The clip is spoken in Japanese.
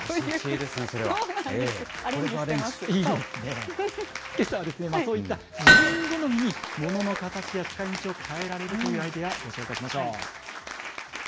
そうなんです、アレンジしてけさはそういった、自分好みに物の形や使いみちを変えられるというアイデア、ご紹介しましょう。